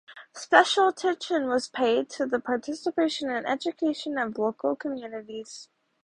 Special attention was paid to the participation and education of local communities.